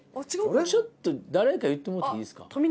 ちょっと誰か言ってもらっていいですか？